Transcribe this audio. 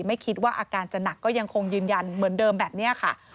ไม่คิดว่าอาการจะหนักก็ยังคงยืนยันเหมือนเดิมแบบนี้ค่ะ